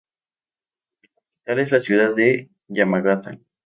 La capital es la ciudad de Yamagata.